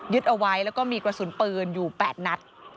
เอาไว้แล้วก็มีกระสุนปืนอยู่๘นัด